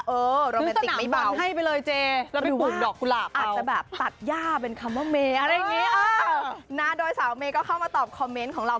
เออโรแมนติกไม่เบาหรือว่าอาจจะแบบตัดหญ้าเป็นคำว่าเมอะไรอย่างนี้เออโดยสาวเมก็เข้ามาตอบคอมเมนต์ของเรา